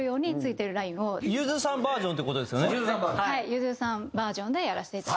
ゆずさんバージョンでやらせていただきます。